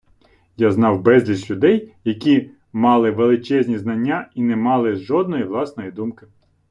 Я знав безліч людей, які мали величезні знання і не мали жодної власної думки.